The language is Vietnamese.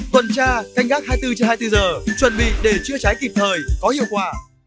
tuần tra canh gác hai mươi bốn trên hai mươi bốn giờ chuẩn bị để chữa cháy kịp thời có hiệu quả